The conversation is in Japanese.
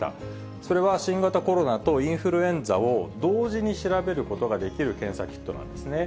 それは新型コロナとインフルエンザを同時に調べることができる検査キットなんですね。